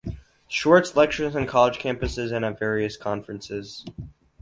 Schwartz lectures on college campuses and at various conferences.